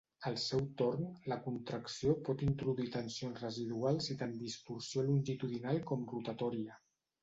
Al seu torn, la contracció pot introduir tensions residuals i tant distorsió longitudinal com rotatòria.